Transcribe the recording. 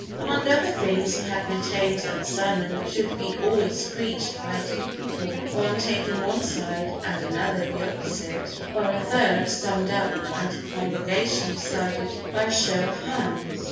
Among other things, he had maintained that sermons should be always preached by two people, one taking one side and another the opposite, while a third summed up and the congregation decided by a show of hands.